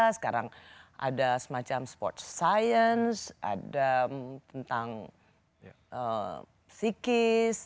sekarang ada semacam sports science ada tentang psikis